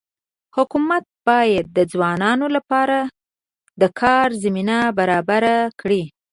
حکومت باید د ځوانانو لپاره د کار زمینه برابره کړي.